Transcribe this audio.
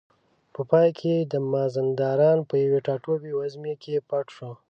په پای کې د مازندران په یوې ټاپو وزمې کې پټ شو.